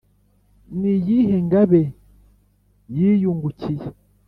n’iyindi ngabe y’iyungukiye